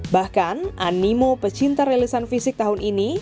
bahkan animo pecinta relisan fisik tahun ini